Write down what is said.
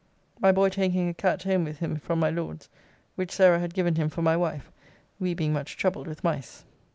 My boy taking a cat home with him from my Lord's, which Sarah had given him for my wife, we being much troubled with mice.